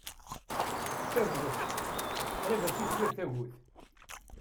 Tabɣest! Qrib ad tifrir tagut.